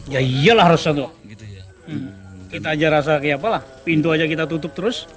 ya iyalah resah tuh kita aja rasa kayak apa lah pintu aja kita tutup terus